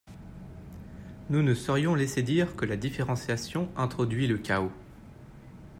Nous ne saurions laisser dire que la différenciation introduit le chaos.